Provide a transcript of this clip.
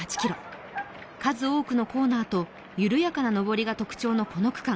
数多くのコーナーと緩やかな上りが特徴のこの区間。